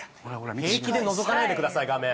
平気でのぞかないでください画面。